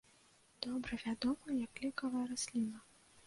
Добра вядомая як лекавая расліна.